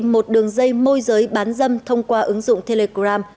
một đường dây môi giới bán dâm thông qua ứng dụng telegram